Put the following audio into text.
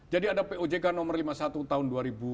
jadi ada pojk nomor lima puluh satu tahun dua ribu tujuh belas